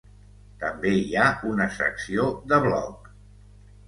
També hi ha una secció de bloc.